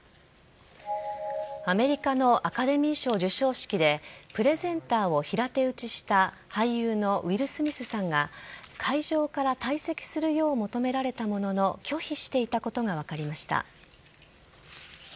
アメリカのアカデミー賞授賞式でプレゼンターを平手打ちした俳優のウィル・スミスさんが会場から退席するよう求められたものの拒否していたことが分かりました。